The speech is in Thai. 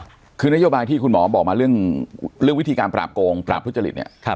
เชื่อบายที่คุณหมอบอกมาเรื่องวิธีการปราบโกงปราบทุจริต